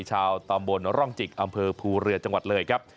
ชาวตำบลร่องจิกอำเภอภูเรือจังหวัดเลยครับ